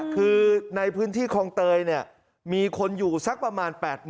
คือในพื้นที่คลองเตยมีคนอยู่สักประมาณ๘๐๐